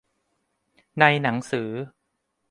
ในหนังสือ